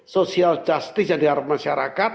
social justice yang diharapkan masyarakat